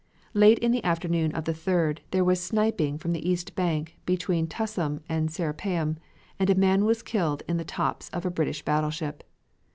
Late in the afternoon of the 3d there was sniping from the east bank between Tussum and Serapeum, and a man was killed on the tops of a British battleship.